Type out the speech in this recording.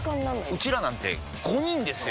ウチらなんて５人ですよ！